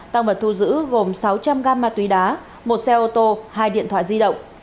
tăng vật thu giữ gồm sáu trăm linh gam ma túy đá một xe ô tô hai điện thoại di động